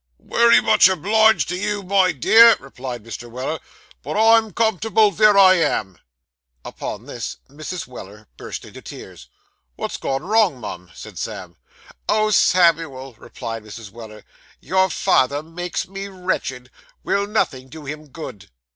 'Wery much obleeged to you, my dear,' replied Mr. Weller; 'but I'm quite comfortable vere I am.' Upon this, Mrs. Weller burst into tears. 'Wot's gone wrong, mum?' said Sam. 'Oh, Samuel!' replied Mrs. Weller, 'your father makes me wretched. Will nothing do him good?